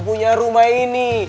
punya rumah ini